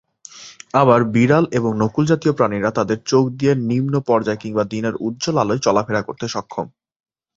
আবার, বিড়াল এবং নকুলজাতীয় প্রাণীরা তাদের চোখ দিয়ে নিম্ন পর্যায় কিংবা দিনের উজ্জ্বল আলোয় চলাফেরা করতে সক্ষম।